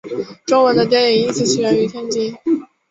中文的电影一词起源于天津。